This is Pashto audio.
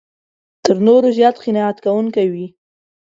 تر نورو زیات قناعت کوونکی وي.